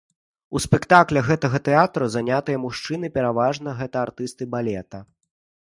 У спектаклях гэтага тэатра занятыя мужчыны, пераважна гэта артысты балета.